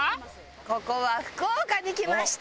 ここは福岡に来ました！